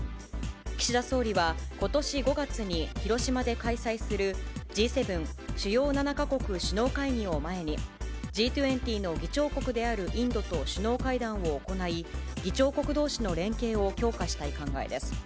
岸田総理は、ことし５月に広島で開催する、Ｇ７・主要７か国首脳会議を前に、Ｇ２０の議長国であるインドと首脳会談を行い、議長国どうしの連携を強化したい考えです。